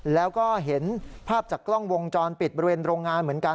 แล้วก็เห็นภาพจากกล้องวงจรปิดบริเวณโรงงานเหมือนกัน